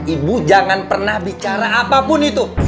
ibu jangan pernah bicara apapun itu